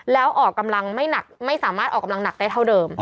แล้วไม่สามารถออกกำลังหนักได้เท่าเดิม